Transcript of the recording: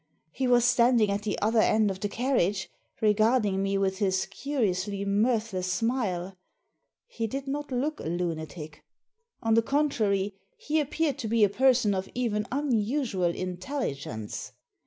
He was standing at the other end of the carriage regarding me with his curiously mirthless smile. He did not look a lunatic ; on the contrary, he appeared to be a person of even un usual intelligence.